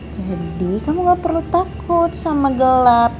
jadi kamu gak perlu takut sama gelap